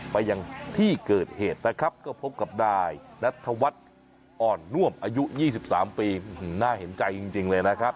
ไปอย่างที่เกิดเหตุนะครับก็พบกับด่ายณาตุวัฒน์อ่อนน่วมอายุ๒๓ปีหน้าเห็นใจจริง